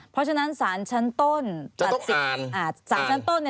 เพราะฉะนั้นสารชั้นต้น